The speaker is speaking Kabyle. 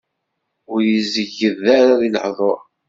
Ur izegged deg lehdur.